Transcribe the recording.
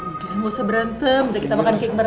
udah nggak usah berantem